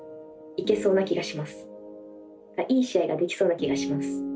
いい試合ができそうな気がします。